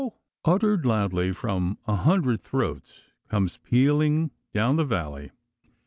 uttered loudly from a hundred throats, comes pealing down the valley.